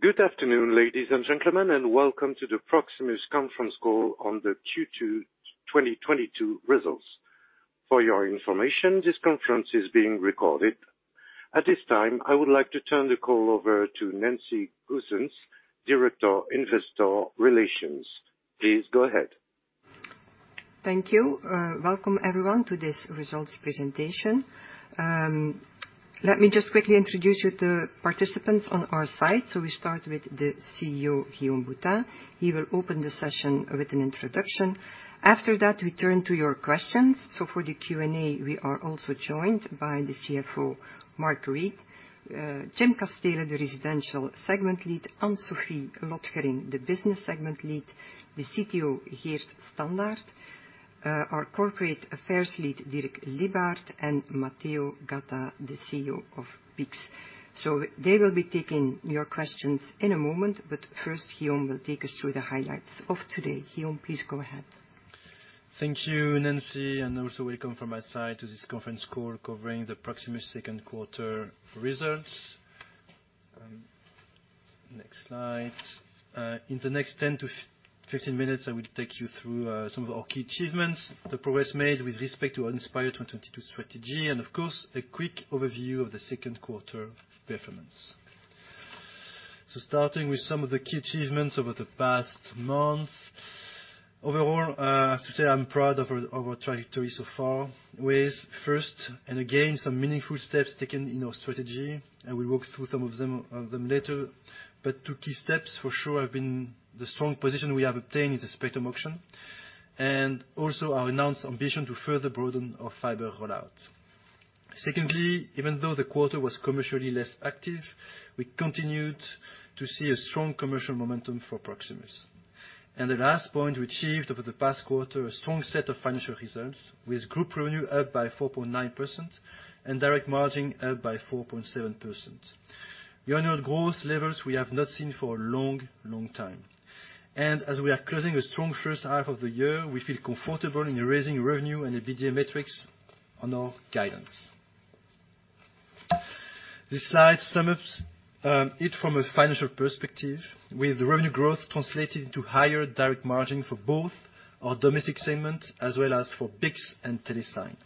Good afternoon, ladies and gentlemen, and welcome to the Proximus conference call on the Q2 2022 results. For your information, this conference is being recorded. At this time, I would like to turn the call over to Nancy Goossens, Director, Investor Relations. Please go ahead. Thank you. Welcome everyone to this results presentation. Let me just quickly introduce you to participants on our side. We start with the CEO, Guillaume Boutin. He will open the session with an introduction. After that, we turn to your questions. For the Q&A, we are also joined by the CFO, Mark Reid. Jim Casteele, the residential segment lead. Anne-Sophie Lotgering, the business segment lead. The CTO, Geert Standaert. Our corporate affairs lead, Dirk Lybaert, and Matteo Gatta, the CEO of BICS. They will be taking your questions in a moment, but first, Guillaume will take us through the highlights of today. Guillaume, please go ahead. Thank you, Nancy, and also welcome from my side to this conference call covering the Proximus second quarter results. Next slide. In the next 10-15 minutes, I will take you through some of our key achievements, the progress made with respect to our Inspire 2022 strategy, and of course, a quick overview of the second quarter performance. Starting with some of the key achievements over the past month. Overall, to say I'm proud of our trajectory so far. With first, and again, some meaningful steps taken in our strategy, and we'll walk through some of them later. Two key steps for sure have been the strong position we have obtained in the spectrum auction, and also our announced ambition to further broaden our fiber rollout. Secondly, even though the quarter was commercially less active, we continued to see a strong commercial momentum for Proximus. The last point, we achieved over the past quarter a strong set of financial results, with group revenue up by 4.9% and direct margin up by 4.7%. The annual growth levels we have not seen for a long, long time. As we are closing a strong first half of the year, we feel comfortable in raising revenue and EBITDA metrics on our guidance. This slide sums it from a financial perspective. With the revenue growth translated into higher direct margin for both our domestic segment as well as for BICS and Telesign.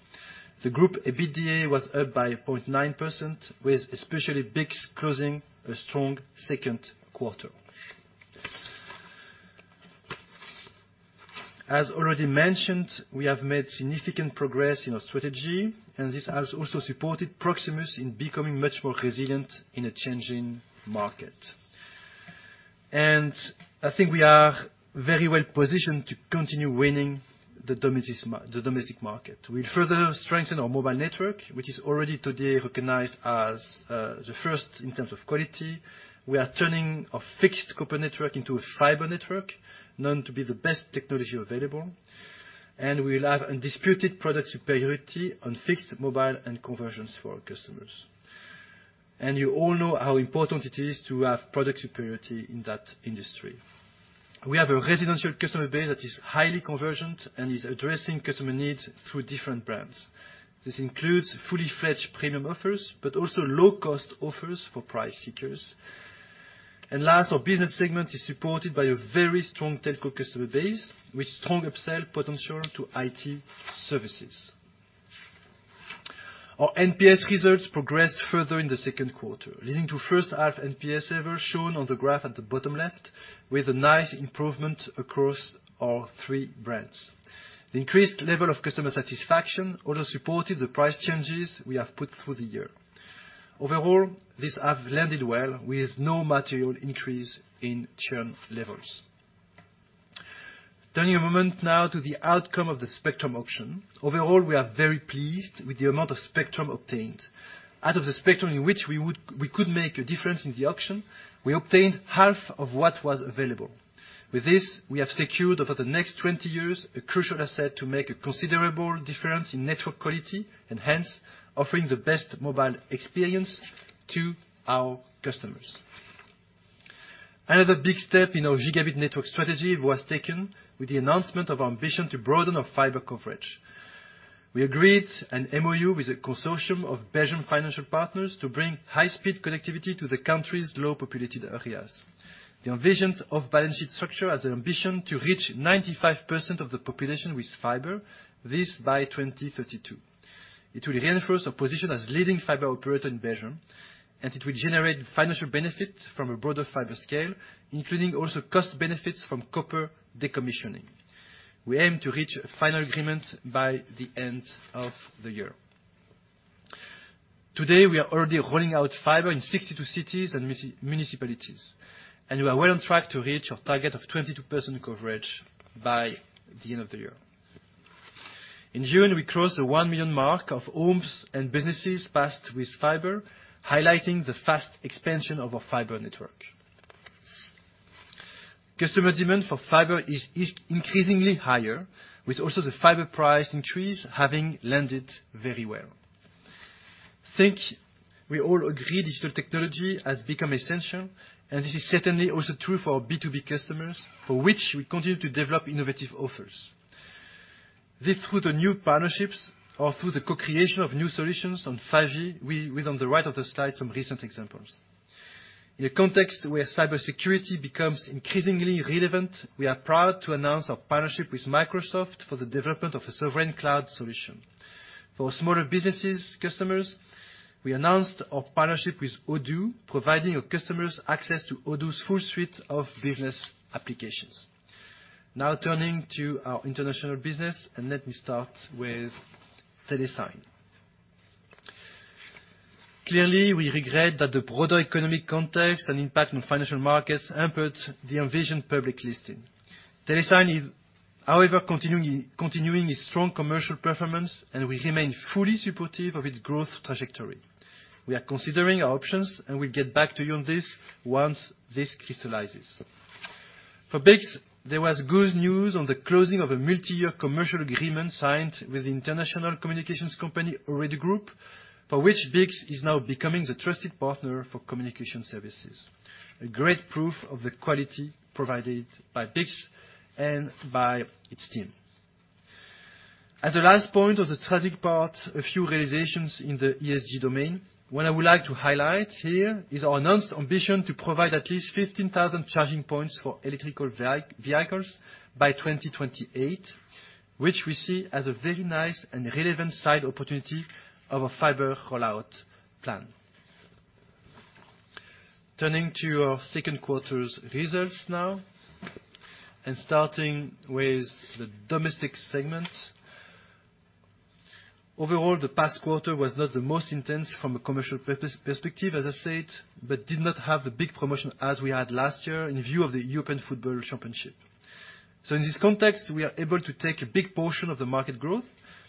The group EBITDA was up by 0.9%, with especially BICS closing a strong second quarter. As already mentioned, we have made significant progress in our strategy, and this has also supported Proximus in becoming much more resilient in a changing market. I think we are very well positioned to continue winning the domestic market. We further strengthen our mobile network, which is already today recognized as the first in terms of quality. We are turning our fixed copper network into a fiber network, known to be the best technology available. We'll have undisputed product superiority on fixed, mobile, and conversions for our customers. You all know how important it is to have product superiority in that industry. We have a residential customer base that is highly convergent and is addressing customer needs through different brands. This includes fully-fledged premium offers, but also low-cost offers for price seekers. Last, our business segment is supported by a very strong telco customer base, with strong upsell potential to IT services. Our NPS results progressed further in the second quarter, leading to first half NPS ever shown on the graph at the bottom left, with a nice improvement across our three brands. The increased level of customer satisfaction also supported the price changes we have put through the year. Overall, this has landed well, with no material increase in churn levels. Turning a moment now to the outcome of the spectrum auction. Overall, we are very pleased with the amount of spectrum obtained. Out of the spectrum in which we could make a difference in the auction, we obtained half of what was available. With this, we have secured over the next 20 years a crucial asset to make a considerable difference in network quality, and hence, offering the best mobile experience to our customers. Another big step in our gigabit network strategy was taken with the announcement of our ambition to broaden our fiber coverage. We agreed an MoU with a consortium of Belgian financial partners to bring high-speed connectivity to the country's low-populated areas. This envisions a balance sheet structure as an ambition to reach 95% of the population with fiber. This by 2032. It will reinforce our position as leading fiber operator in Belgium, and it will generate financial benefit from a broader fiber scale, including also cost benefits from copper decommissioning. We aim to reach a final agreement by the end of the year. Today, we are already rolling out fiber in 62 cities and municipalities, and we are well on track to reach our target of 22% coverage by the end of the year. In June, we crossed the 1 million mark of homes and businesses passed with fiber, highlighting the fast expansion of our fiber network. Customer demand for fiber is increasingly higher, with also the fiber price increase having landed very well. I think we all agree digital technology has become essential, and this is certainly also true for our B2B customers, for which we continue to develop innovative offers. This through the new partnerships or through the co-creation of new solutions on 5G, with on the right of the slide, some recent examples. In a context where cybersecurity becomes increasingly relevant, we are proud to announce our partnership with Microsoft for the development of a sovereign cloud solution. For smaller businesses customers, we announced our partnership with Odoo, providing our customers access to Odoo's full suite of business applications. Now turning to our international business, and let me start with Telesign. Clearly, we regret that the broader economic context and impact on financial markets hampered the envisioned public listing. Telesign is, however, continuing its strong commercial performance, and we remain fully supportive of its growth trajectory. We are considering our options, and we'll get back to you on this once this crystallizes. For BICS, there was good news on the closing of a multi-year commercial agreement signed with international communications company, Ooredoo Group, for which BICS is now becoming the trusted partner for communication services. A great proof of the quality provided by BICS and by its team. As a last point of the strategic part, a few realizations in the ESG domain. What I would like to highlight here is our announced ambition to provide at least 15,000 charging points for electrical vehicles by 2028, which we see as a very nice and relevant side opportunity of our fiber rollout plan. Turning to our second quarter's results now, and starting with the domestic segment. Overall, the past quarter was not the most intense from a commercial perspective, as I said, but did not have the big promotion as we had last year in view of the European Football Championship. In this context, we are able to take a big portion of the market growth,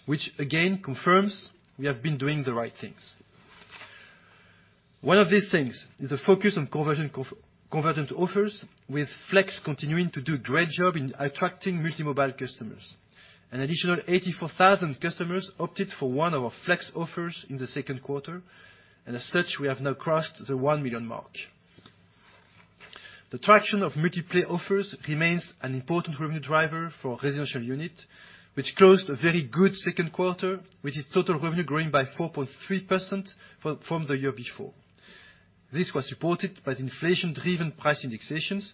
which again confirms we have been doing the right things. One of these things is a focus on convergent offers, with Flex continuing to do a great job in attracting multi-mobile customers. An additional 84,000 customers opted for one of our Flex offers in the second quarter, and as such, we have now crossed the 1 million mark. The traction of multi-play offers remains an important revenue driver for our residential unit, which closed a very good second quarter, with its total revenue growing by 4.3% from the year before. This was supported by the inflation-driven price indexations,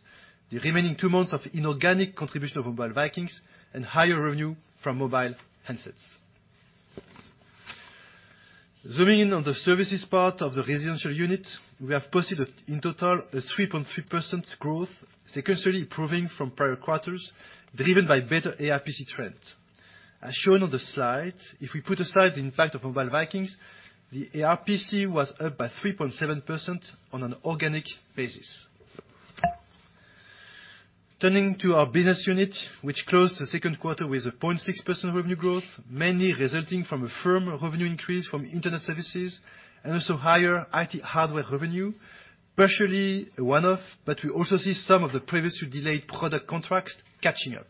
the remaining two months of inorganic contribution of Mobile Vikings, and higher revenue from mobile handsets. Zooming in on the services part of the residential unit, we have posted in total a 3.3% growth, sequentially improving from prior quarters, driven by better ARPC trends. As shown on the slide, if we put aside the impact of Mobile Vikings, the ARPC was up by 3.7% on an organic basis. Turning to our business unit, which closed the second quarter with a 0.6% revenue growth, mainly resulting from a firm revenue increase from internet services and also higher IT hardware revenue, partially a one-off, but we also see some of the previously delayed product contracts catching up.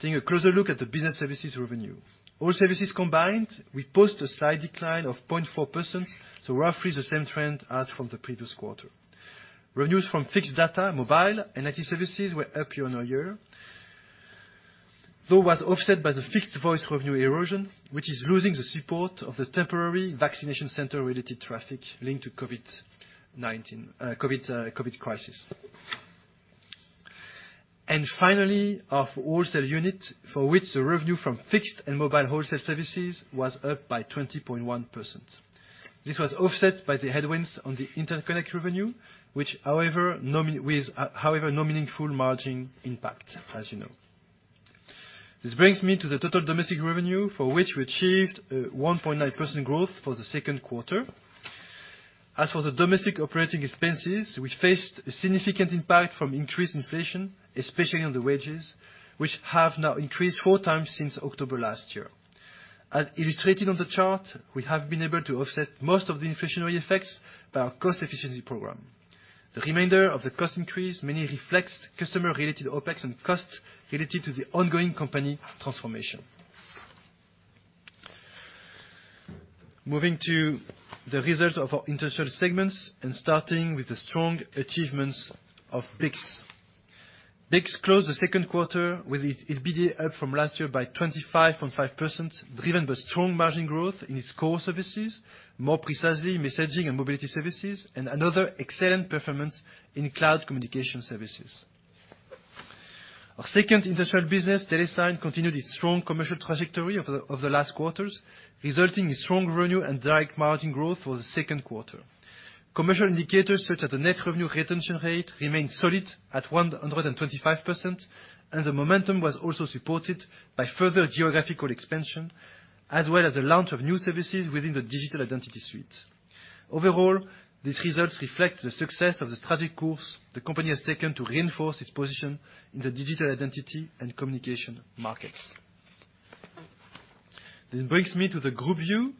Taking a closer look at the business services revenue. All services combined, we post a slight decline of 0.4%, so roughly the same trend as from the previous quarter. Revenues from fixed data, mobile, and IT services were up year-on-year, though was offset by the fixed voice revenue erosion, which is losing the support of the temporary vaccination center-related traffic linked to COVID-19, COVID crisis. Finally, our wholesale unit, for which the revenue from fixed and mobile wholesale services was up by 20.1%. This was offset by the headwinds on the interconnect revenue, which, however, no meaningful margin impact, as you know. This brings me to the total domestic revenue, for which we achieved 1.9% growth for the second quarter. As for the domestic operating expenses, we faced a significant impact from increased inflation, especially on the wages, which have now increased 4x since October last year. As illustrated on the chart, we have been able to offset most of the inflationary effects by our cost efficiency program. The remainder of the cost increase mainly reflects customer-related OPEX and costs related to the ongoing company transformation. Moving to the results of our international segments, and starting with the strong achievements of BICS. BICS closed the second quarter with its EBITDA up from last year by 25.5%, driven by strong margin growth in its core services, more precisely messaging and mobility services, and another excellent performance in cloud communication services. Our second international business, Telesign, continued its strong commercial trajectory of the last quarters, resulting in strong revenue and direct margin growth for the second quarter. Commercial indicators such as the net revenue retention rate remained solid at 125%, and the momentum was also supported by further geographical expansion as well as the launch of new services within the digital identity suite. Overall, these results reflect the success of the strategic course the company has taken to reinforce its position in the digital identity and communication markets. This brings me to the group view.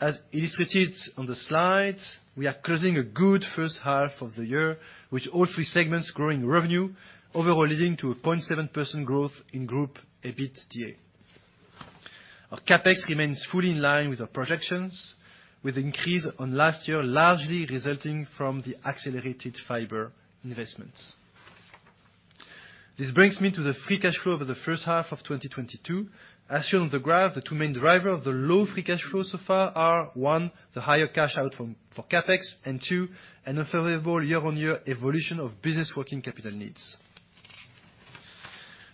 As illustrated on the slide, we are closing a good first half of the year, with all three segments growing revenue, overall leading to a 0.7% growth in group EBITDA. Our CapEx remains fully in line with our projections, with an increase on last year largely resulting from the accelerated fiber investments. This brings me to the free cash flow over the first half of 2022. As shown on the graph, the two main driver of the low free cash flow so far are, one, the higher cash out from, for CapEx, and two, an unfavorable year-on-year evolution of business working capital needs.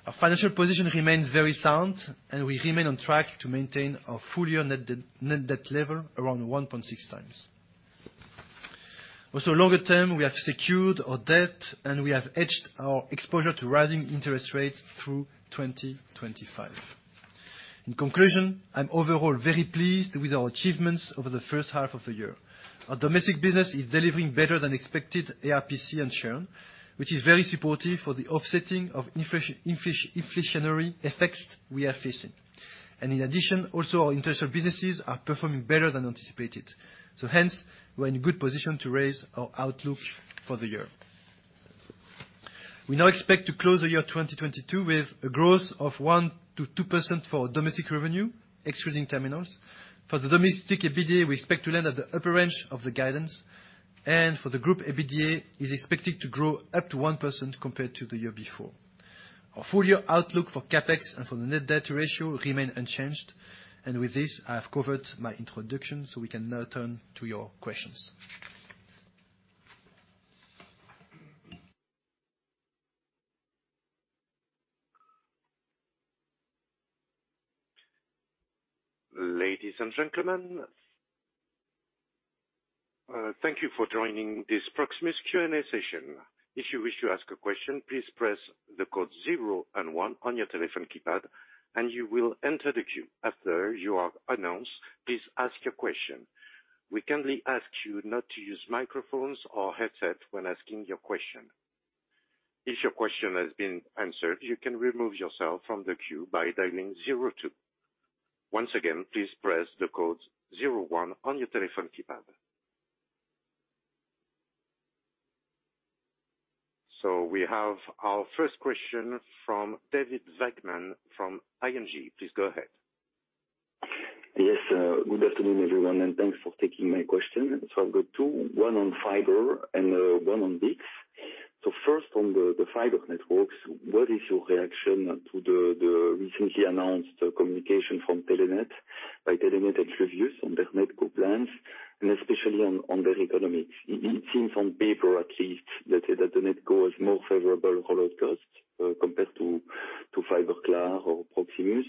Our financial position remains very sound, and we remain on track to maintain our full year net debt, net debt level around 1.6x. Longer term, we have secured our debt, and we have hedged our exposure to rising interest rates through 2025. In conclusion, I'm overall very pleased with our achievements over the first half of the year. Our domestic business is delivering better than expected ARPC and churn, which is very supportive for the offsetting of inflationary effects we are facing. In addition, also our international businesses are performing better than anticipated. Hence, we're in a good position to raise our outlook for the year. We now expect to close the year 2022 with a growth of 1%-2% for our domestic revenue, excluding terminals. For the domestic EBITDA, we expect to land at the upper range of the guidance. For the group EBITDA is expected to grow up to 1% compared to the year before. Our full year outlook for CapEx and for the net debt ratio remain unchanged. With this, I have covered my introduction, so we can now turn to your questions. Ladies and gentlemen, thank you for joining this Proximus Q&A session. If you wish to ask a question, please press the code zero and one on your telephone keypad, and you will enter the queue. After you are announced, please ask your question. We kindly ask you not to use microphones or headsets when asking your question. If your question has been answered, you can remove yourself from the queue by dialing zero two. Once again, please press the code zero one on your telephone keypad. We have our first question from David Vagman from ING. Please go ahead. Yes. Good afternoon, everyone, and thanks for taking my question. I've got two. One on fiber and one on BICS. First on the fiber networks, what is your reaction to the recently announced communication from Telenet, by Telenet and Fluvius on their NetCo plans, and especially on their economics. It seems on paper at least that the NetCo has more favorable rollout costs compared to Fiberklaar or Proximus.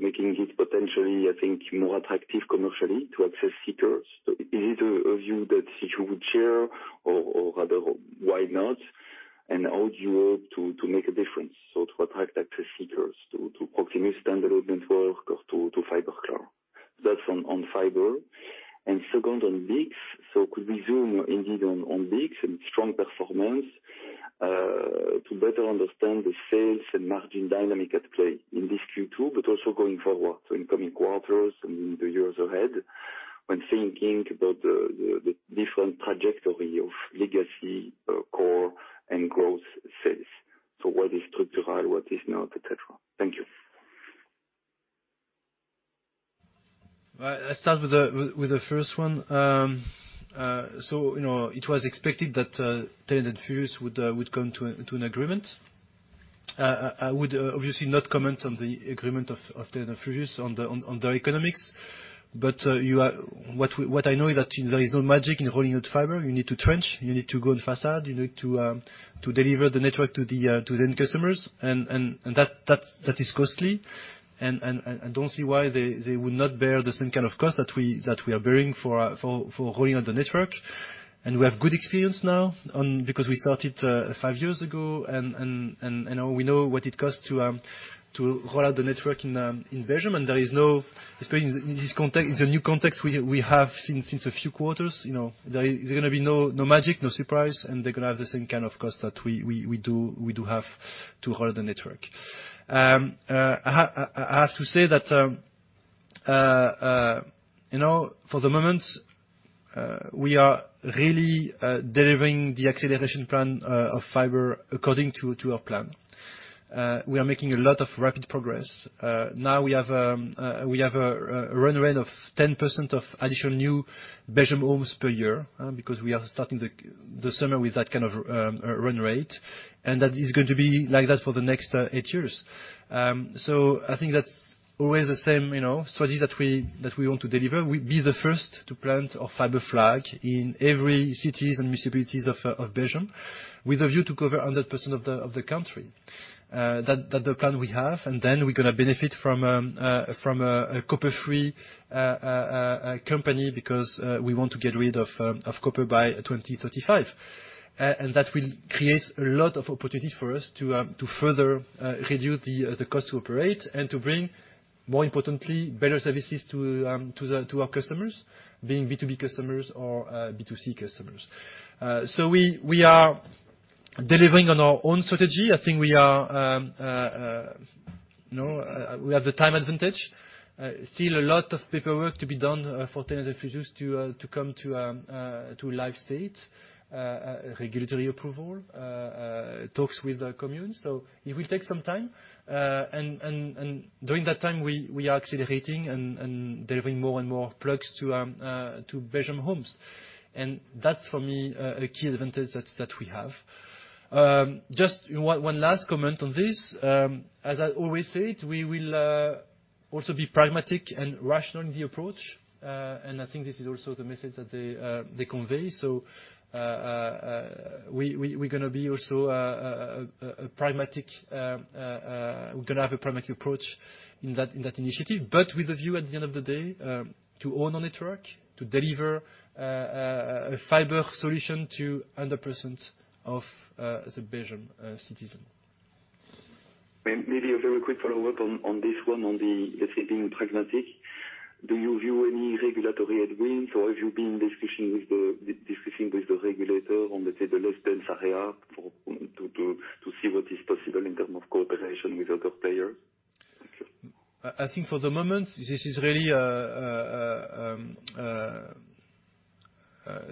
Making it potentially, I think, more attractive commercially to access seekers. Is it a view that you would share or rather why not? How would you hope to make a difference to attract access seekers to Proximus standard network or to Fiberklaar? That's on fiber. Second on BICS. Could we zoom indeed on BICS and strong performance to better understand the sales and margin dynamic at play in this Q2, but also going forward, in coming quarters and in the years ahead, when thinking about the different trajectory of legacy, core and growth sales. What is structural, what is not, et cetera. Thank you. Well, I start with the first one. You know, it was expected that Telenet and Fluvius would come to an agreement. I would obviously not comment on the agreement of Telenet and Fluvius on the economics. What I know is that there is no magic in rolling out fiber. You need to trench, you need to go on façade, you need to deliver the network to the end customers. That is costly. I don't see why they would not bear the same kind of cost that we are bearing for rolling out the network. We have good experience now because we started five years ago. You know, we know what it costs to roll out the network in Belgium. There is no, especially in this context, it's a new context we have since a few quarters. You know, there is gonna be no magic, no surprise, and they're gonna have the same kind of cost that we do have to roll the network. I have to say that, you know, for the moment, we are really delivering the acceleration plan of fiber according to our plan. We are making a lot of rapid progress. Now we have a run rate of 10% of additional new Belgium homes per year, because we are starting the summer with that kind of run rate. That is going to be like that for the next eight years. I think that's always the same, you know, strategy that we want to deliver. We'll be the first to plant our fiber flag in every cities and municipalities of Belgium with a view to cover 100% of the country. That's the plan we have, and then we're gonna benefit from a copper-free company because we want to get rid of copper by 2035. That will create a lot of opportunities for us to further reduce the cost to operate and to bring, more importantly, better services to our customers, being B2B customers or B2C customers. We are delivering on our own strategy. I think we are, you know, we have the time advantage. Still a lot of paperwork to be done for Telenet and Fluvius to come to a live state. Regulatory approval, talks with the commune. It will take some time. During that time, we are accelerating and delivering more and more plugs to Belgian homes. That's for me a key advantage that we have. Just one last comment on this. As I always say it, we will also be pragmatic and rational in the approach. I think this is also the message that they convey. We're gonna have a pragmatic approach in that initiative. With a view at the end of the day, to own a network, to deliver a fiber solution to 100% of the Belgian citizen. Maybe a very quick follow-up on this one, on the, let's say, being pragmatic. Do you view any regulatory headwinds, or have you been discussing with the regulator on, let's say, the less dense areas to see what is possible in terms of cooperation with other players? I think for the moment, this is really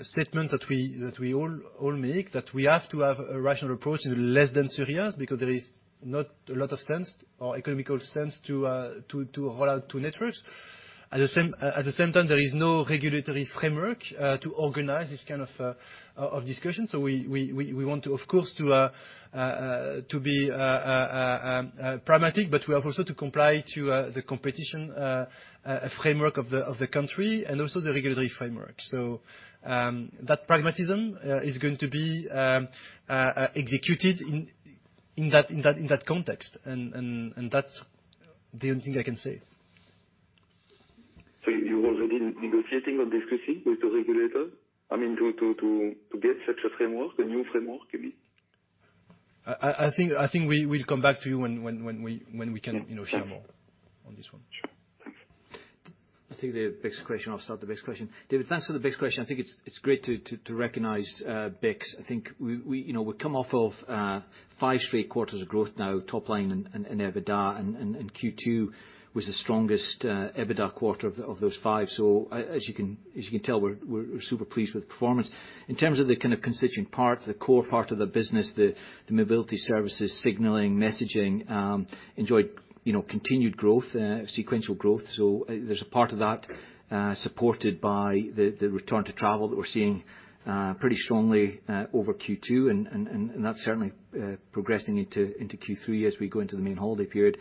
a statement that we all make, that we have to have a rational approach in less dense areas because there is not a lot of sense or economical sense to roll out two networks. At the same time, there is no regulatory framework to organize this kind of discussion. We want to, of course, be pragmatic, but we have also to comply to the competition framework of the country and also the regulatory framework. That pragmatism is going to be executed in that context. That's the only thing I can say. You already negotiating or discussing with the regulator? I mean, to get such a framework, a new framework, you mean? I think we will come back to you when we can, you know, share more on this one. Sure. Thanks. I'll take the BICS question. David, thanks for the BICS question. I think it's great to recognize BICS. I think we you know we've come off of five straight quarters of growth now, top line and EBITDA, and Q2 was the strongest EBITDA quarter of those five. As you can tell, we're super pleased with the performance. In terms of the constituent parts, the core part of the business, the mobility services, signaling, messaging enjoyed you know continued growth, sequential growth. There's a part of that supported by the return to travel that we're seeing pretty strongly over Q2. That's certainly progressing into Q3 as we go into the main holiday period.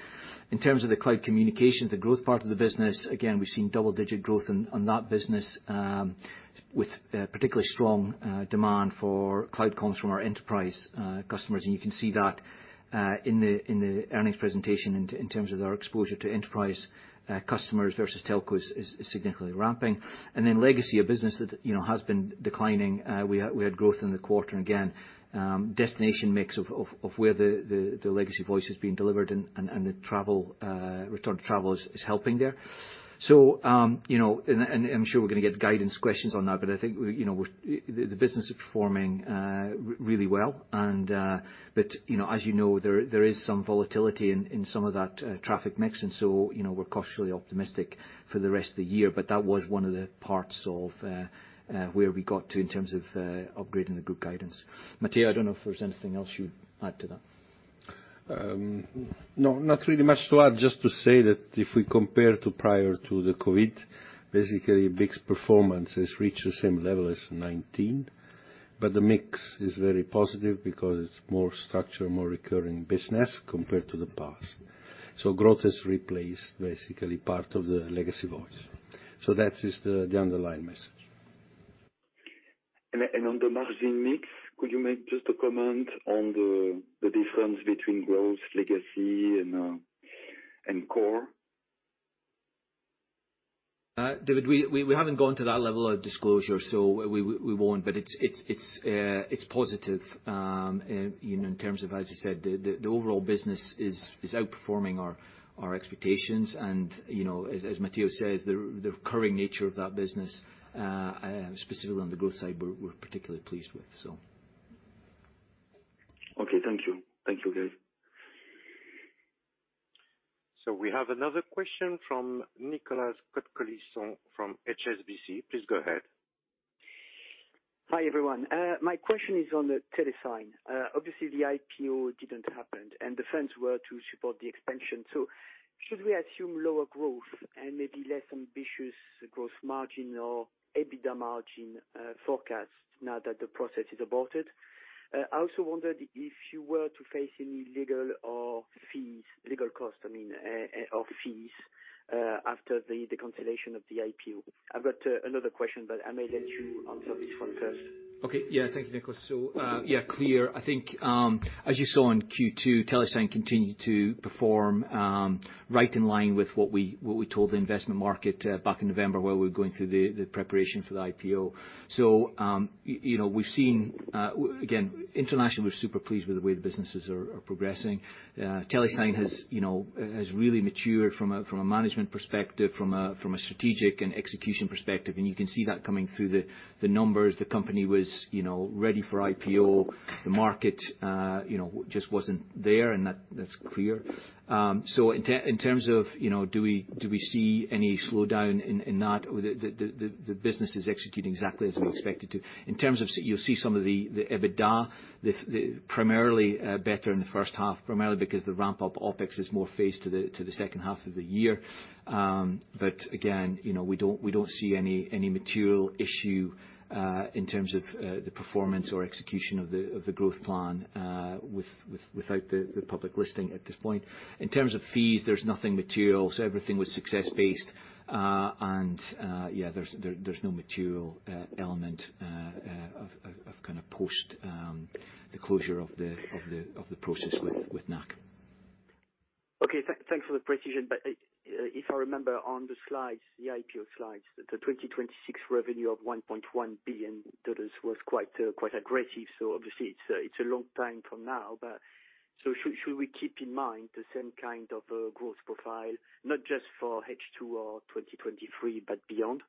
In terms of the cloud communication, the growth part of the business, again, we've seen double-digit growth on that business with particularly strong demand for cloud comms from our enterprise customers. You can see that in the earnings presentation in terms of our exposure to enterprise customers versus telcos is significantly ramping. Then legacy, a business that, you know, has been declining. We had growth in the quarter, again, destination mix of where the legacy voice is being delivered and the travel return to travel is helping there. You know, and I'm sure we're gonna get guidance questions on that, but I think, you know, the business is performing really well. You know, as you know, there is some volatility in some of that traffic mix. You know, we're cautiously optimistic for the rest of the year. That was one of the parts of where we got to in terms of upgrading the group guidance. Matteo, I don't know if there's anything else you'd add to that. No, not really much to add. Just to say that if we compare to prior to the COVID, basically, BICS performance has reached the same level as 2019, but the mix is very positive because it's more structured, more recurring business compared to the past. So growth has replaced basically part of the legacy voice. That is the underlying message. On the margin mix, could you make just a comment on the difference between growth, legacy and core? David, we haven't gone to that level of disclosure, so we won't. It's positive, you know, in terms of, as you said, the overall business is outperforming our expectations. You know, as Matteo says, the recurring nature of that business, specifically on the growth side, we're particularly pleased with, so. Okay, thank you. Thank you, guys. We have another question from Nicolas Cote-Colisson from HSBC. Please go ahead. Hi, everyone. My question is on Telesign. Obviously, the IPO didn't happen, and the funds were to support the expansion. Should we assume lower growth and maybe less ambitious growth margin or EBITDA margin forecast now that the process is aborted? I also wondered if you were to face any legal fees or legal costs, I mean, or fees after the cancellation of the IPO. I've got another question, but I may let you answer this one first. Okay. Yeah, thank you, Nicolas. Yeah, clear. I think, as you saw in Q2, Telesign continued to perform right in line with what we told the investment market back in November, while we were going through the preparation for the IPO. You know, we've seen again, internationally, we're super pleased with the way the businesses are progressing. Telesign has you know really matured from a management perspective, from a strategic and execution perspective. You can see that coming through the numbers. The company was you know ready for IPO. The market you know just wasn't there, and that's clear. In terms of you know do we see any slowdown in that? The business is executing exactly as we expect it to. You'll see some of the EBITDA primarily better in the first half, primarily because the ramp-up OpEx is more phased to the second half of the year. But again, you know, we don't see any material issue in terms of the performance or execution of the growth plan with or without the public listing at this point. In terms of fees, there's nothing material. Everything was success-based. Yeah, there's no material element of kind of post the closure of the process with NAAC. Thanks for the precision. If I remember on the slides, the IPO slides, the 2026 revenue of EUR 1.1 billion was quite aggressive. Obviously it's a long time from now. Should we keep in mind the same kind of growth profile, not just for H2 or 2023, but beyond?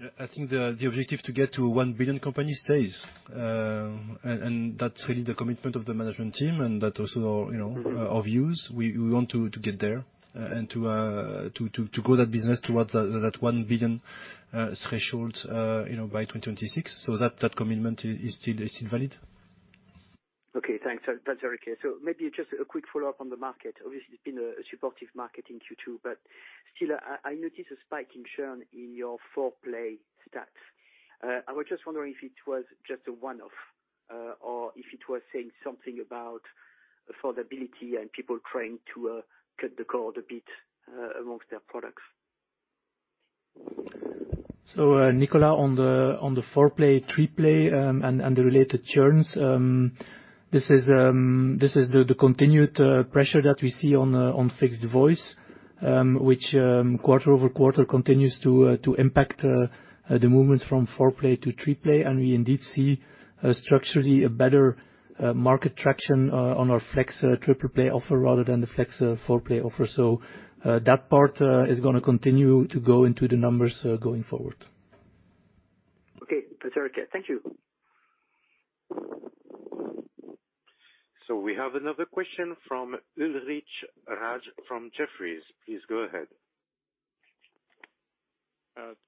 Yeah. I think the objective to get to a 1 billion company stays. That's really the commitment of the management team and that also our, you know, our views. We want to get there and to grow that business towards that 1 billion threshold, you know, by 2026. That commitment is still valid. Okay, thanks. That's very clear. Maybe just a quick follow-up on the market. Obviously it's been a supportive market in Q2, but still I noticed a spike in churn in your four-play stats. I was just wondering if it was just a one-off, or if it was saying something about affordability and people trying to cut the cord a bit among their products. Nicolas, on the four-play, three-play, and the related churns, this is the continued pressure that we see on fixed voice, which quarter-over-quarter continues to impact the movement from four-play to three-play. We indeed see structurally a better market traction on our Flex triple-play offer rather than the Flex four-play offer. That part is gonna continue to go into the numbers going forward. Okay. That's very clear. Thank you. We have another question from Ulrich Rathe from Jefferies. Please go ahead.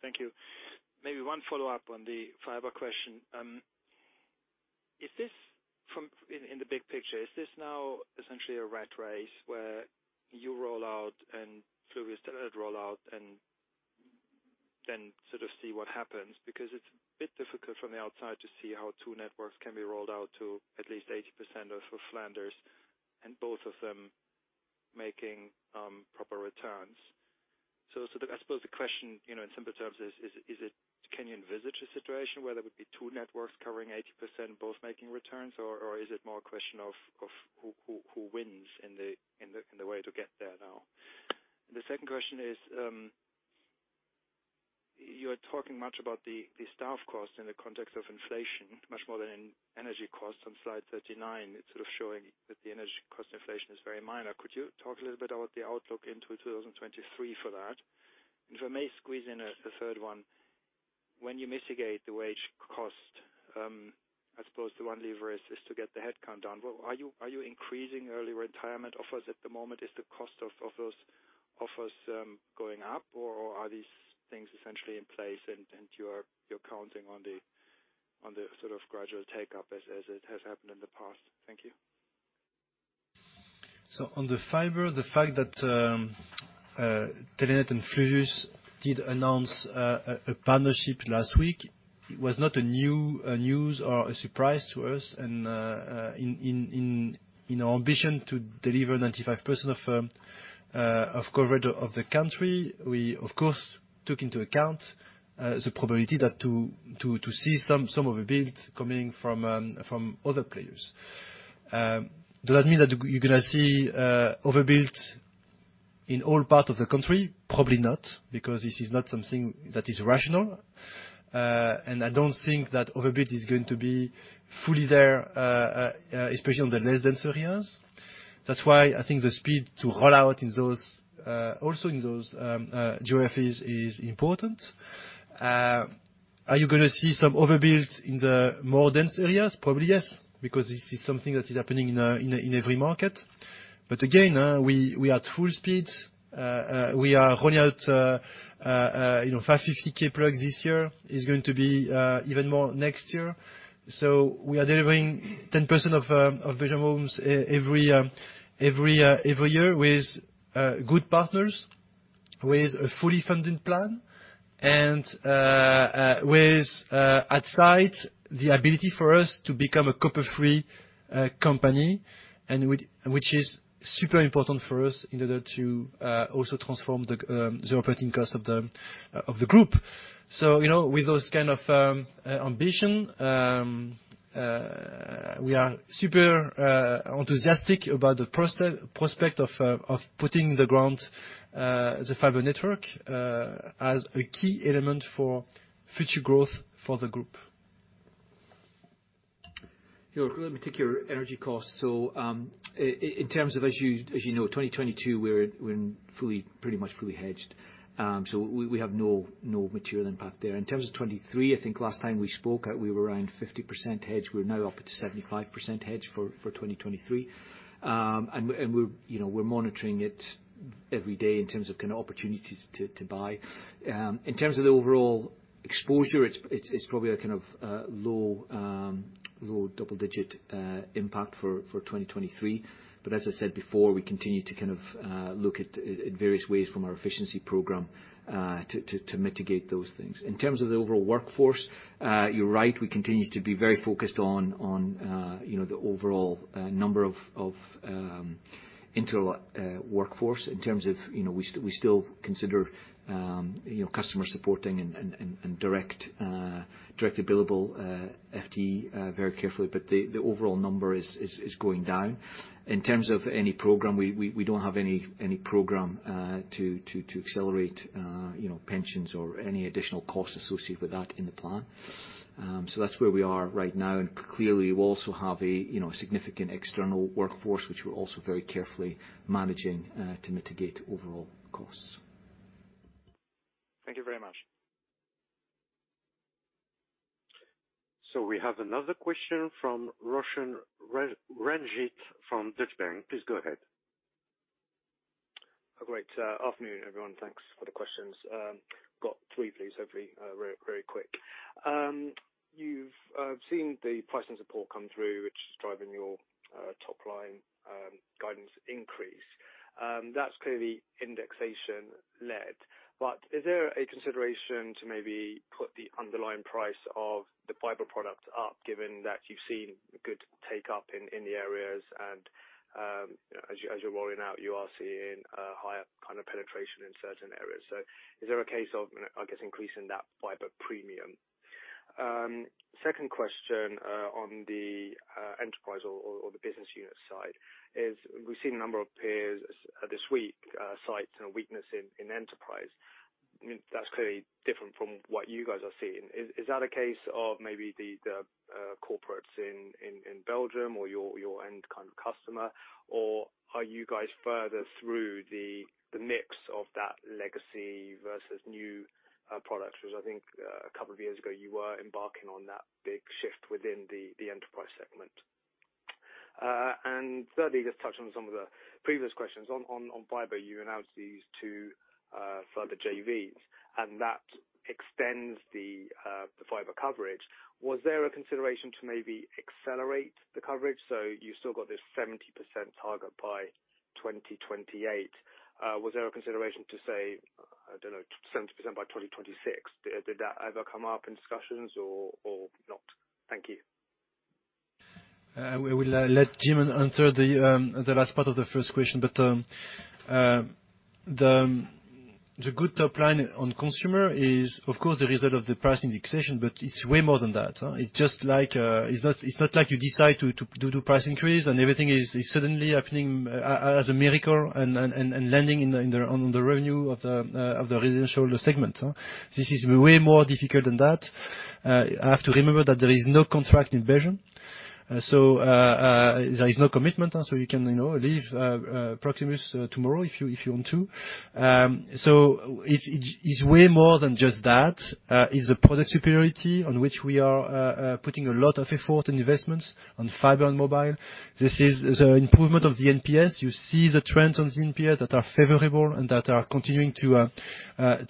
Thank you. Maybe one follow-up on the fiber question. In the big picture, is this now essentially a rat race where you roll out and Fluvius roll out and then sort of see what happens? Because it's a bit difficult from the outside to see how two networks can be rolled out to at least 80% of Flanders and both of them making proper returns. I suppose the question, you know, in simple terms is it Kenyan visitor situation where there would be two networks covering 80% both making returns or is it more a question of who wins in the way to get there now? The second question is, you are talking much about the staff costs in the context of inflation much more than in energy costs. On slide 39, it's sort of showing that the energy cost inflation is very minor. Could you talk a little bit about the outlook into 2023 for that? If I may squeeze in a third one. When you mitigate the wage cost, I suppose the one lever is to get the headcount down. Are you increasing early retirement offers at the moment? Is the cost of those offers going up or are these things essentially in place and you're counting on the sort of gradual take-up as it has happened in the past? Thank you. On the fiber, the fact that Telenet and Fluvius did announce a partnership last week, it was not a new news or a surprise to us. In our ambition to deliver 95% of coverage of the country, we of course took into account the probability that to see some overbuild coming from other players. Does that mean that you're gonna see overbuild in all parts of the country? Probably not, because this is not something that is rational. I don't think that overbuild is going to be fully there, especially on the less dense areas. That's why I think the speed to roll out in those also in those geographies is important. Are you gonna see some overbuild in the more dense areas? Probably yes, because this is something that is happening in every market. Again, we are at full speed. We are rolling out, you know, 550,000 plugs this year. It's going to be even more next year. We are delivering 10% of Belgian homes every year with good partners, with a fully funded plan and with the ability for us to become a copper-free company, and which is super important for us in order to also transform the OpEx of the group. You know, with those kind of ambition, we are super enthusiastic about the prospect of putting on the ground the fiber network as a key element for future growth for the group. Ulr, let me take your energy costs. In terms of as you know, 2022, we're pretty much fully hedged. We have no material impact there. In terms of 2023, I think last time we spoke, we were around 50% hedged. We're now up to 75% hedged for 2023. We're monitoring it every day in terms of kind of opportunities to buy. In terms of the overall exposure, it's probably a kind of low double-digit impact for 2023. As I said before, we continue to kind of look at various ways from our efficiency program to mitigate those things. In terms of the overall workforce, you're right, we continue to be very focused on you know the overall number of indirect workforce in terms of you know we still consider you know customer supporting and directly billable FTE very carefully. The overall number is going down. In terms of any program, we don't have any program to accelerate you know pensions or any additional costs associated with that in the plan. That's where we are right now. Clearly, we also have a, you know, a significant external workforce, which we're also very carefully managing, to mitigate overall costs. Thank you very much. We have another question from Roshan Ranjit from Deutsche Bank. Please go ahead. A great afternoon, everyone. Thanks for the questions. Got three, please. Every are very quick. You've seen the pricing support come through, which is driving your top line guidance increase. That's clearly indexation-led. Is there a consideration to maybe put the underlying price of the fiber product up, given that you've seen good take-up in the areas and as you're rolling out, you are seeing a higher kind of penetration in certain areas. Is there a case of, I guess, increasing that fiber premium? Second question, on the enterprise or the business unit side is we've seen a number of peers this week cite a weakness in enterprise. I mean, that's clearly different from what you guys are seeing. Is that a case of maybe the corporates in Belgium or your end kind of customer, or are you guys further through the mix of that legacy versus new products? Which I think a couple of years ago you were embarking on that big shift within the enterprise segment. Thirdly, just touch on some of the previous questions. On fiber, you announced these two further JVs, and that extends the fiber coverage. Was there a consideration to maybe accelerate the coverage? So you still got this 70% target by 2028. Was there a consideration to say, I don't know, 70% by 2026? Did that ever come up in discussions or not? Thank you. We will let Jim answer the last part of the first question, but the good top line on consumer is of course the result of the pricing indexation, but it's way more than that. It's just like, it's not like you decide to do price increase and everything is suddenly happening as a miracle and landing on the revenue of the residential segment. This is way more difficult than that. I have to remember that there is no contract in Belgium, so there is no commitment. You can, you know, leave Proximus tomorrow if you want to. It's way more than just that. It's a product superiority on which we are putting a lot of effort and investments on fiber and mobile. This is the improvement of the NPS. You see the trends on NPS that are favorable and that are continuing to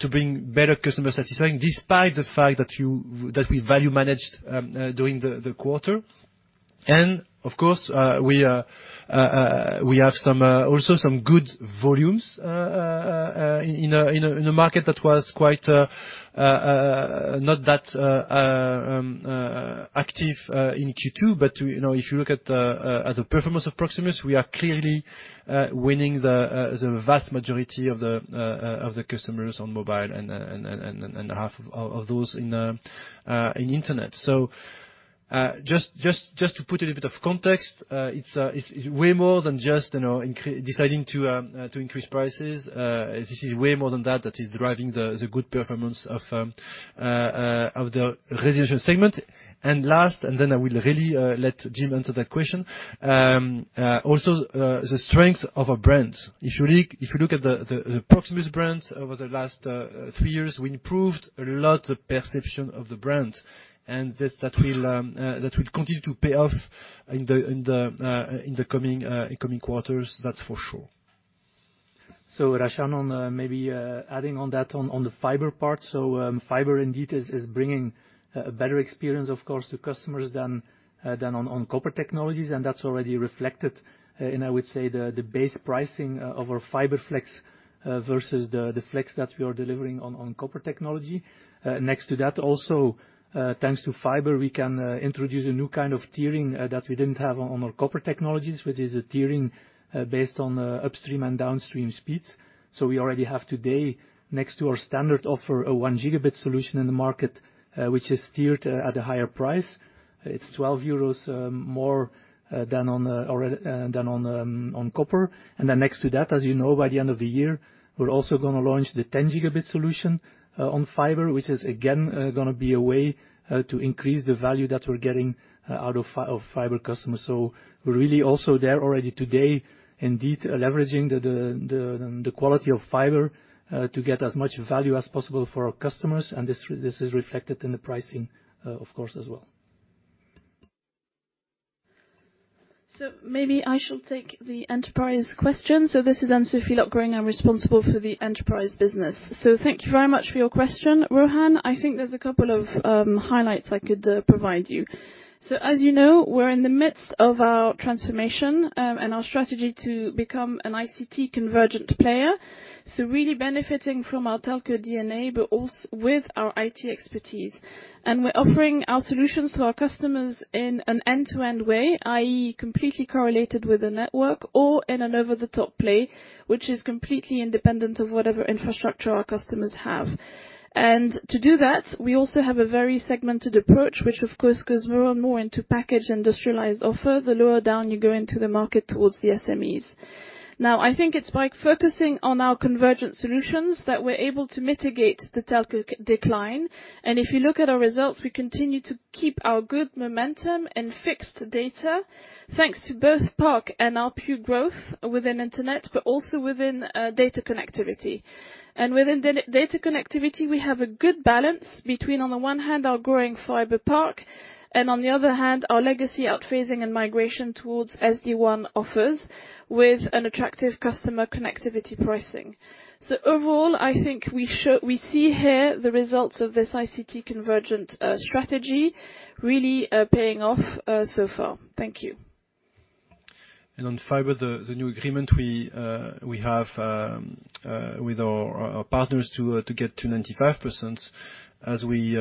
bring better customer satisfaction despite the fact that we value-managed during the quarter. We also have some good volumes in a market that was quite not that active in Q2. You know, if you look at the performance of Proximus, we are clearly winning the vast majority of the customers on mobile and half of those in internet. Just to put a little bit of context, it's way more than just, you know, deciding to increase prices. This is way more than that that is driving the good performance of the residential segment. I will really let Jim answer that question. Also, the strength of our brand. If you look at the Proximus brand over the last three years, we improved a lot the perception of the brand and that will continue to pay off in the coming quarters, that's for sure. Roshan Ranjit, maybe adding on that on the fiber part. Fiber indeed is bringing a better experience, of course, to customers than on copper technologies. That's already reflected in, I would say, the base pricing of our fiber Flex versus the Flex that we are delivering on copper technology. Next to that, also, thanks to fiber, we can introduce a new kind of tiering that we didn't have on our copper technologies, which is a tiering based on upstream and downstream speeds. We already have today next to our standard offer, a 1 Gb solution in the market, which is tiered at a higher price. It's 12 euros more than on the copper. Next to that, as you know, by the end of the year, we're also gonna launch the 10 Gb solution on fiber, which is again gonna be a way to increase the value that we're getting out of fiber customers. We're really also there already today, indeed leveraging the quality of fiber to get as much value as possible for our customers. This is reflected in the pricing, of course, as well. Maybe I should take the enterprise question. This is Anne-Sophie Lotgering. I'm responsible for the enterprise business. Thank you very much for your question, Roshan. I think there's a couple of highlights I could provide you. As you know, we're in the midst of our transformation and our strategy to become an ICT convergent player. Really benefiting from our telco DNA, but with our IT expertise. We're offering our solutions to our customers in an end-to-end way, i.e., completely correlated with the network or in an over-the-top play, which is completely independent of whatever infrastructure our customers have. To do that, we also have a very segmented approach, which of course goes more and more into package industrialized offer the lower down you go into the market towards the SMEs. Now, I think it's by focusing on our convergent solutions that we're able to mitigate the telco decline. If you look at our results, we continue to keep our good momentum in fixed data, thanks to both Park and RPU growth within internet, but also within data connectivity. Within data connectivity, we have a good balance between, on the one hand, our growing fiber park, and on the other hand, our legacy outphasing and migration towards SD-WAN offers with an attractive customer connectivity pricing. Overall, I think we see here the results of this ICT convergent strategy really paying off so far. Thank you. On fiber, the new agreement we have with our partners to get to 95%, as we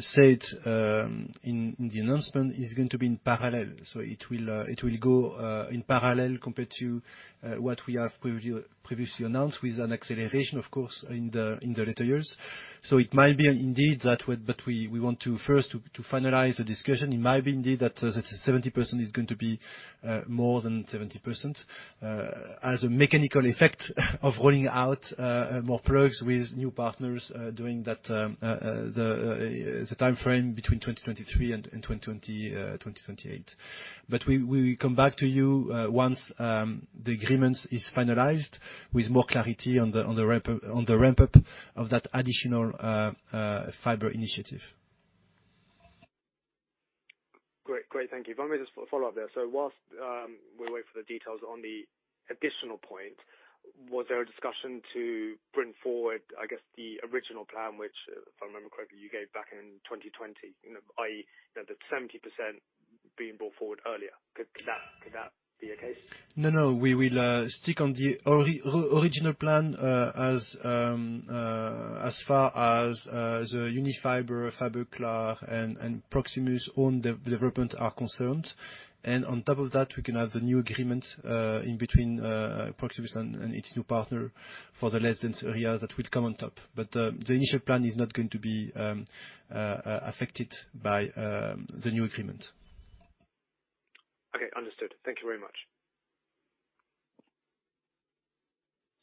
said in the announcement, is going to be in parallel. It will go in parallel compared to what we have previously announced with an acceleration, of course, in the later years. It might be indeed that but we want to first finalize the discussion. It might be indeed that 70% is going to be more than 70%, as a mechanical effect of rolling out more products with new partners during that the time frame between 2023 and 2028. We will come back to you once the agreement is finalized with more clarity on the ramp up of that additional fiber initiative. Great. Thank you. If I may just follow up there. While we wait for the details on the additional point, was there a discussion to bring forward, I guess, the original plan, which if I remember correctly, you gave back in 2020? You know, i.e., you know, the 70% being brought forward earlier. Could that be a case? No, no. We will stick on the original plan as far as the Unifiber, Fiberklaar and Proximus own development are concerned. On top of that, we can have the new agreement in between Proximus and its new partner for the less dense areas that would come on top. The initial plan is not going to be affected by the new agreement. Okay. Understood. Thank you very much.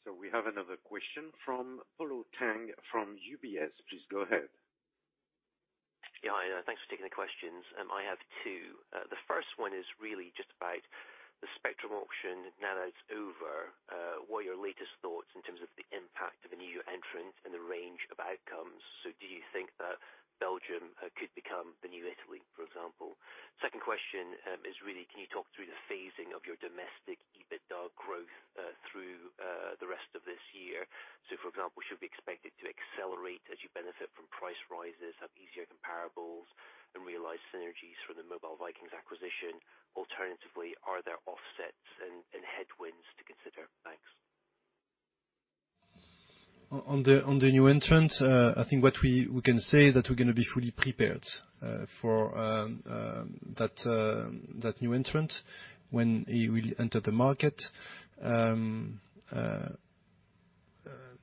We have another question from Polo Tang from UBS. Please go ahead. Yeah. Thanks for taking the questions. I have two. The first one is really just about the spectrum auction now that it's over, what are your latest thoughts in terms of the impact of a new entrant and the range of outcomes? Do you think that Belgium could become the new Italy, for example? Second question, is really, can you talk through the phasing of your domestic EBITDA growth through the rest of this year? For example, should we expect it to accelerate as you benefit from price rises, have easier comparables, and realize synergies from the Mobile Vikings acquisition? Alternatively, are there offsets and headwinds to consider? Thanks. On the new entrant, I think what we can say that we're gonna be fully prepared for that new entrant when he will enter the market.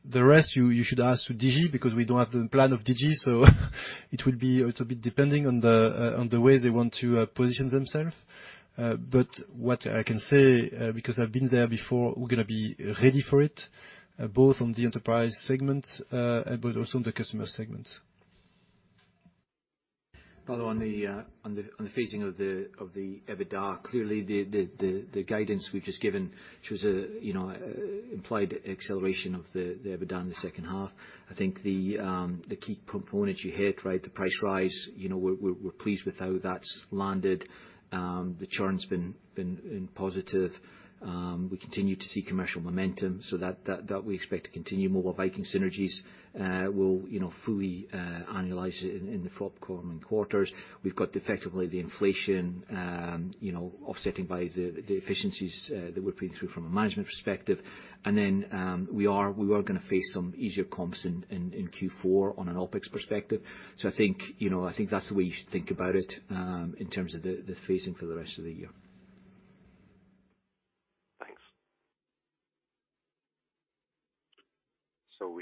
The rest you should ask to Digi because we don't have the plan of Digi, so it would be a little bit depending on the way they want to position themselves. What I can say, because I've been there before, we're gonna be ready for it, both on the enterprise segment, but also on the customer segment. By the way on the phasing of the EBITDA, clearly the guidance we've just given shows a, you know, implied acceleration of the EBITDA in the second half. I think the key components you hit, right, the price rise, you know, we're pleased with how that's landed. The churn's been positive. We continue to see commercial momentum so that we expect to continue. Mobile Vikings synergies will, you know, fully annualize in the forthcoming quarters. We've got effectively the inflation, you know, offsetting by the efficiencies that we're putting through from a management perspective. Then we are gonna face some easier comps in Q4 on an OpEx perspective. I think, you know, I think that's the way you should think about it, in terms of the phasing for the rest of the year.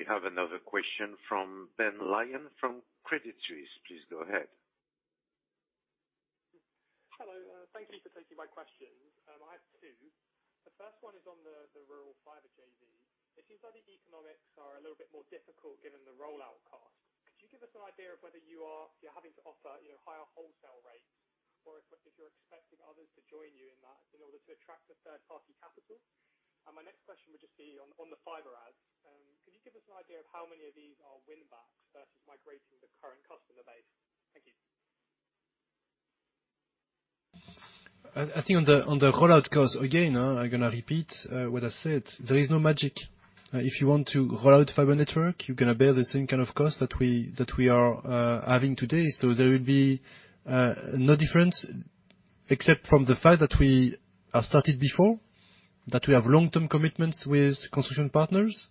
Thanks. We have another question from Ben Lyon from Credit Suisse. Please go ahead. Hello. Thank you for taking my questions. I have two. The first one is on the rural fiber JV. It seems like the economics are a little bit more difficult given the rollout cost. Could you give us an idea of whether you are having to offer, you know, higher wholesale rates, or if you're expecting others to join you in that in order to attract a third party? My next question would just be on the fiber adds. Could you give us an idea of how many of these are win-backs versus migrating the current customer base? Thank you. I think on the rollout costs, again, I'm gonna repeat what I said. There is no magic. If you want to roll out fiber network, you're gonna bear the same kind of cost that we are having today. So there will be no difference, except from the fact that we have started before, that we have long-term commitments with construction partners.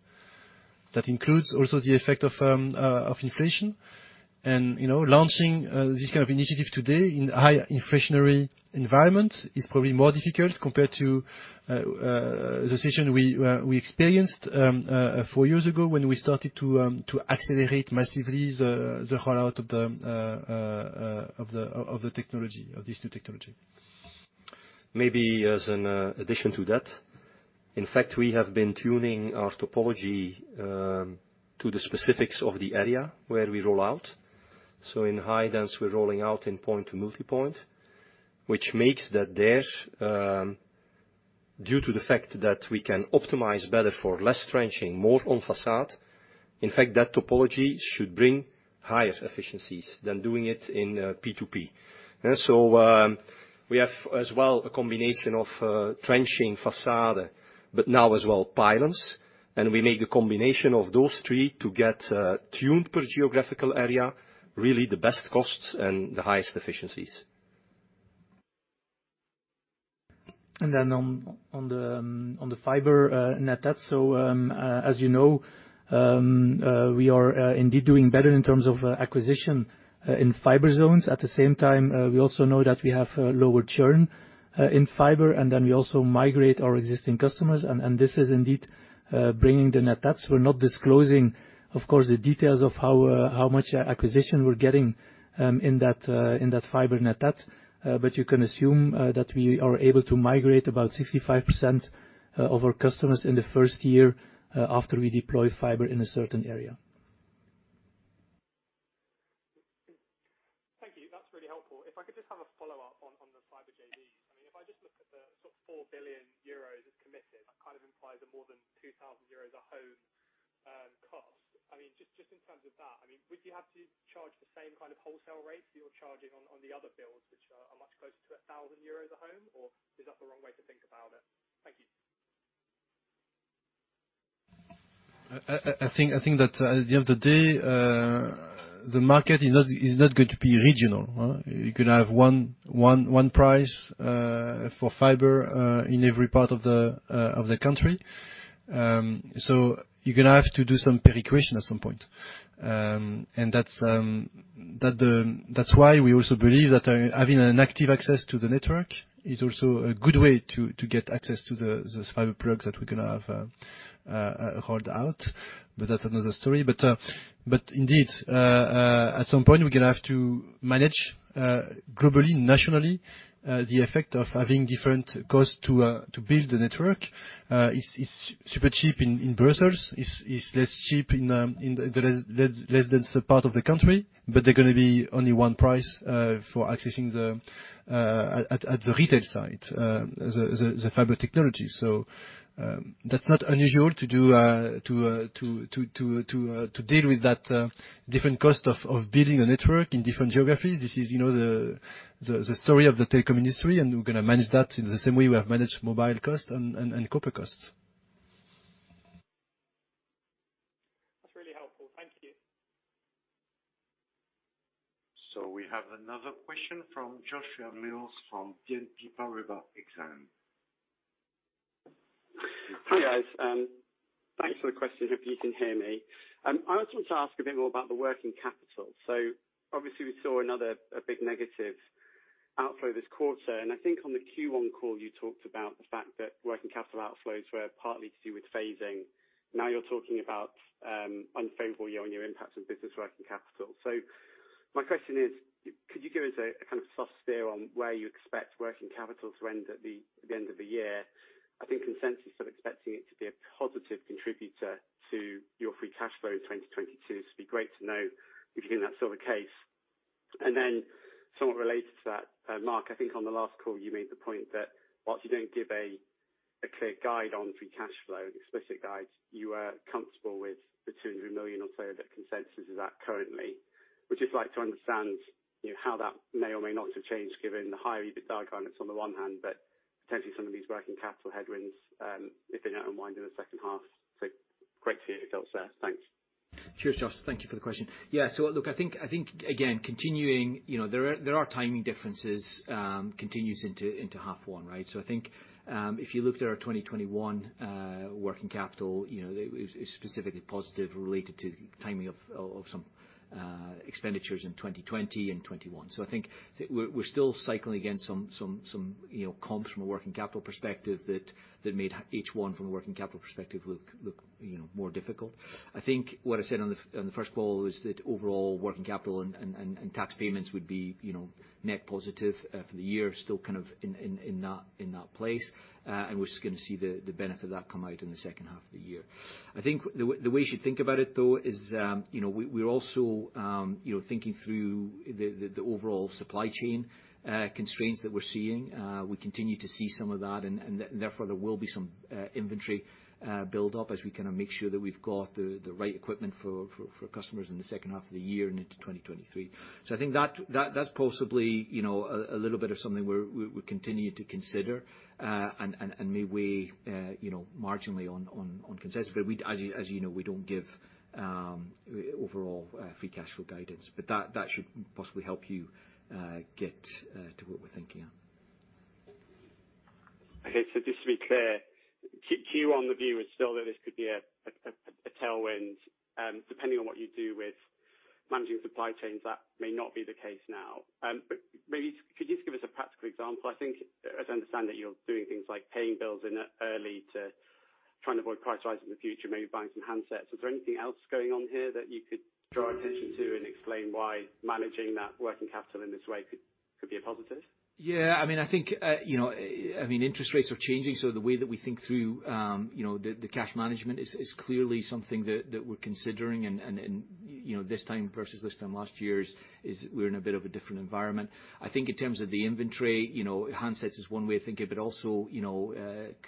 That includes also the effect of inflation. You know, launching this kind of initiative today in high inflationary environment is probably more difficult compared to the situation we experienced four years ago when we started to accelerate massively the rollout of the technology, of this new technology. Maybe as an addition to that, in fact, we have been tuning our topology to the specifics of the area where we roll out. In high density, we're rolling out in point-to-multipoint, which makes that there's due to the fact that we can optimize better for less trenching, more on façade. In fact, that topology should bring higher efficiencies than doing it in P2P. We have as well a combination of trenching, façade, but now as well pylons. We make the combination of those three to get tuned per geographical area, really the best costs and the highest efficiencies. On the fiber net add. As you know, we are indeed doing better in terms of acquisition in fiber zones. At the same time, we also know that we have a lower churn in fiber, and then we also migrate our existing customers. This is indeed bringing the net adds. We're not disclosing, of course, the details of how much acquisition we're getting in that fiber net add, but you can assume that we are able to migrate about 65% of our customers in the first year after we deploy fiber in a certain area. Thank you. That's really helpful. If I could just have a follow-up on the fiber JVs. I mean, if I just look at the sort of EUR 4 billion committed, that kind of implies a more than EUR 2,000 a home cost. I mean, just in terms of that, I mean, would you have to charge the same kind of wholesale rates that you're charging on the other builds, which are much closer to EUR 1,000 a home? Or is that the wrong way to think about it? Thank you. I think that at the end of the day, the market is not going to be regional. You're gonna have one price for fiber in every part of the country. You're gonna have to do some price creation at some point. That's why we also believe that having an active access to the network is also a good way to get access to this fiber products that we're gonna have rolled out. That's another story. Indeed, at some point, we're gonna have to manage globally, nationally, the effect of having different costs to build the network. It's super cheap in Brussels. It's less cheap in the less dense part of the country. They're gonna be only one price for accessing at the retail side the fiber technology. That's not unusual to deal with that different cost of building a network in different geographies. This is, you know, the story of the telecom industry, and we're gonna manage that in the same way we have managed mobile costs and copper costs. That's really helpful. Thank you. We have another question from Joshua Mills from BNP Paribas Exane. Hi, guys. Thanks for the question, hope you can hear me. I just want to ask a bit more about the working capital. Obviously we saw another a big negative outflow this quarter. I think on the Q1 call, you talked about the fact that working capital outflows were partly to do with phasing. Now you're talking about unfavorable year-on-year impact on business working capital. My question is, could you give us a kind of soft steer on where you expect working capital to end at the end of the year? I think consensus are expecting it to be a positive contributor to your free cash flow in 2022. It'd be great to know if you think that's sort of case. Somewhat related to that, Mark, I think on the last call you made the point that whilst you don't give a clear guide on free cash flow, an explicit guide, you are comfortable with the 200 million or so that consensus is at currently. Would just like to understand, you know, how that may or may not have changed given the higher EBITDA guidance on the one hand, but potentially some of these working capital headwinds, if they don't unwind in the second half. Great to hear your thoughts there. Thanks. Sure, Josh. Thank you for the question. Yeah. Look, I think again, continuing, you know, there are timing differences, continues into half one, right? I think if you looked at our 2021 working capital, you know, it was specifically positive related to timing of some expenditures in 2020 and 2021. I think we're still cycling against some comps from a working capital perspective that made H1 from a working capital perspective look more difficult. I think what I said on the first call was that overall working capital and tax payments would be net positive for the year. Still kind of in that place. We're just gonna see the benefit of that come out in the second half of the year. I think the way you should think about it, though, is, you know, we're also, you know, thinking through the overall supply chain constraints that we're seeing. We continue to see some of that. Therefore, there will be some inventory build up as we kinda make sure that we've got the right equipment for customers in the second half of the year and into 2023. I think that's possibly, you know, a little bit of something we're continuing to consider and may weigh, you know, marginally on consensus. As you know, we don't give overall free cash flow guidance. That should possibly help you get to what we're thinking of. Okay, just to be clear, your view is still that this could be a tailwind, depending on what you do with managing supply chains, that may not be the case now. Maybe you could just give us a practical example? I think, as I understand, you're doing things like paying bills early to try to avoid price rise in the future, maybe buying some handsets. Is there anything else going on here that you could draw our attention to and explain why managing that working capital in this way could be a positive? Yeah, I mean, I think, you know, I mean, interest rates are changing, so the way that we think through, you know, the cash management is clearly something that we're considering and, you know, this time versus this time last year is we're in a bit of a different environment. I think in terms of the inventory, you know, handsets is one way of thinking, but also, you know,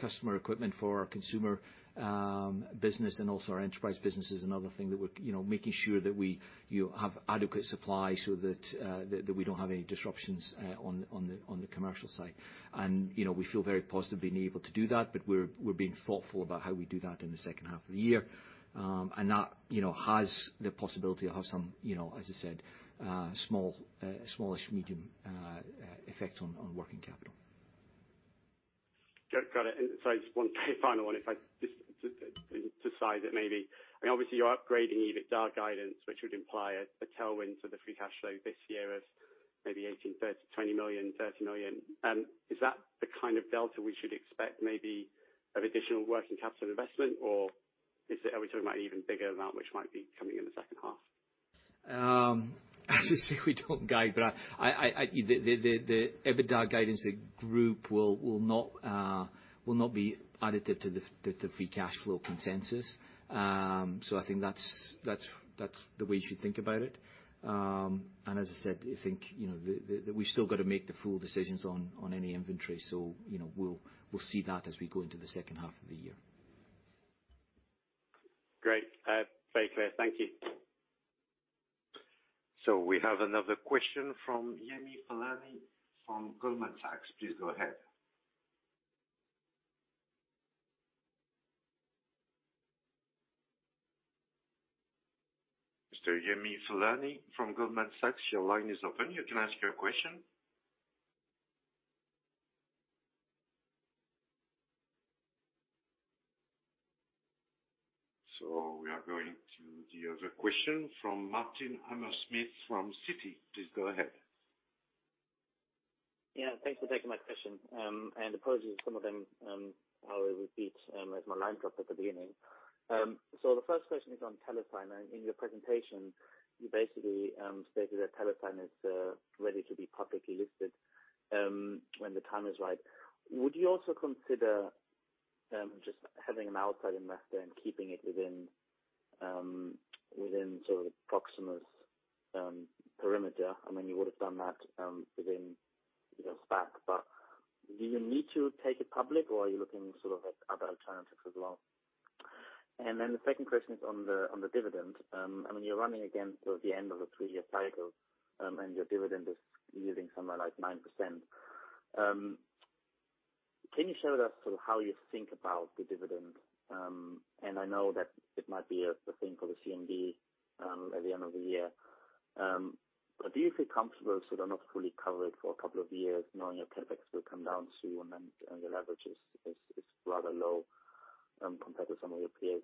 customer equipment for our consumer business and also our enterprise business is another thing that we're, you know, making sure that we have adequate supply so that we don't have any disruptions on the commercial side. You know, we feel very positive being able to do that, but we're being thoughtful about how we do that in the second half of the year. That you know, has the possibility of having some, you know, as I said, small to medium effect on working capital. Got it. Just one final one. If I just to size it maybe, I mean, obviously you're upgrading EBITDA guidance, which would imply a tailwind to the free cash flow this year as maybe 18 million-30 million, 20 million-30 million. Is that the kind of delta we should expect maybe of additional working capital investment? Or is it, are we talking about even bigger amount which might be coming in the second half? As you say, we don't guide, but the EBITDA guidance the group will not be additive to the free cash flow consensus. I think that's the way you should think about it. As I said, I think you know, we've still got to make the full decisions on any inventory. You know, we'll see that as we go into the second half of the year. Great. Very clear. Thank you. We have another question from Yemi Falana from Goldman Sachs. Please go ahead. Mr. Yemi Falana from Goldman Sachs, your line is open. You can ask your question. We are going to the other question from Martin Hammerschmidt from Citi. Please go ahead. Yeah, thanks for taking my question. Apologies, some of them I will repeat as my line dropped at the beginning. The first question is on Telesign. In your presentation, you basically stated that Telesign is ready to be publicly listed when the time is right. Would you also consider just having an outside investor and keeping it within sort of the Proximus perimeter? I mean, you would have done that within, you know, SPAC, but do you need to take it public or are you looking sort of at other alternatives as well? The second question is on the dividend. I mean, you're running against the end of a three-year cycle, and your dividend is yielding somewhere like 9%. Can you show us how you think about the dividend? I know that it might be a thing for the CMD at the end of the year. Do you feel comfortable sort of not fully covered for a couple of years knowing your CapEx will come down soon and your leverage is rather low compared to some of your peers?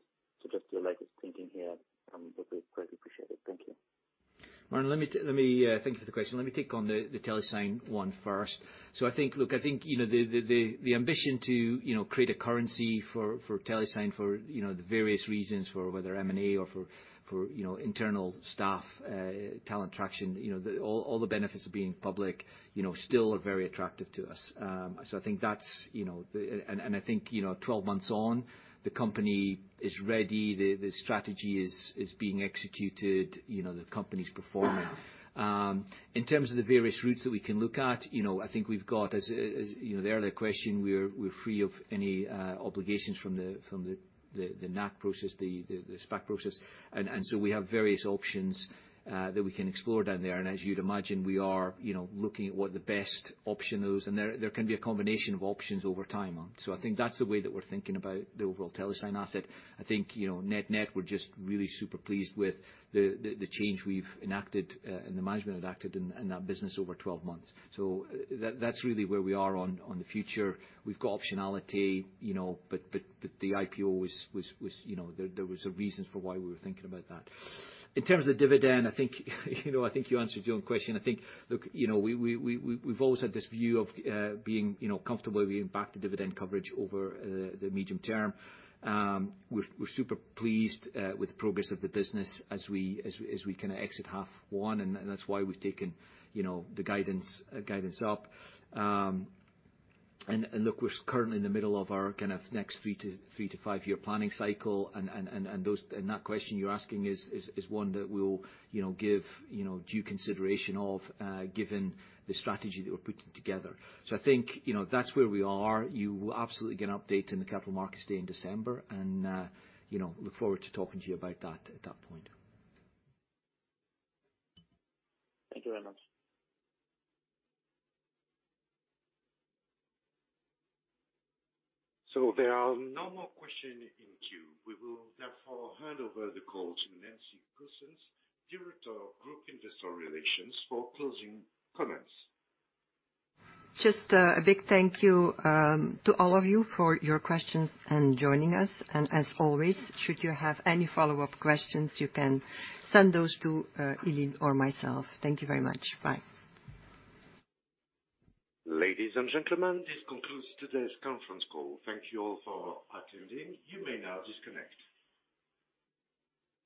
Just your latest thinking here would be quite appreciated. Thank you. Martin, let me thank you for the question. Let me take on the Telesign one first. I think, look, I think, you know, the ambition to, you know, create a currency for Telesign for, you know, the various reasons for whether M&A or for, you know, internal staff talent traction, you know, all the benefits of being public, you know, still are very attractive to us. I think that's, you know, the. I think, you know, 12 months on, the company is ready, the strategy is being executed, you know, the company's performing. In terms of the various routes that we can look at, you know, I think we've got, as you know, the earlier question, we're free of any obligations from the SPAC process. We have various options that we can explore down there. As you'd imagine, we are, you know, looking at what the best option those. There can be a combination of options over time on. I think that's the way that we're thinking about the overall Telesign asset. I think, you know, net-net, we're just really super pleased with the change we've enacted and the management enacted in that business over 12 months. That's really where we are on the future. We've got optionality, you know, but the IPO was, you know, there was a reason for why we were thinking about that. In terms of dividend, I think, you know, you answered your own question. I think, look, you know, we've always had this view of being, you know, comfortable where we impact the dividend coverage over the medium term. We're super pleased with the progress of the business as we kinda exit half one, and that's why we've taken, you know, the guidance up. Look, we're currently in the middle of our kind of next three to five-year planning cycle, and that question you're asking is one that we'll, you know, give, you know, due consideration of, given the strategy that we're putting together. I think, you know, that's where we are. You will absolutely get an update in the Capital Markets Day in December and, you know, look forward to talking to you about that at that point. Thank you very much. There are no more questions in the queue. We will therefore hand over the call to Nancy Goossens, Director of Group Investor Relations, for closing comments. Just a big thank you to all of you for your questions and joining us. As always, should you have any follow-up questions, you can send those to Elaine or myself. Thank you very much. Bye. Ladies and gentlemen, this concludes today's conference call. Thank you all for attending. You may now disconnect.